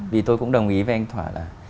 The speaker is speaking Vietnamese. vì tôi cũng đồng ý với anh thỏa là